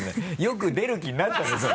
よく出る気になったねそれで。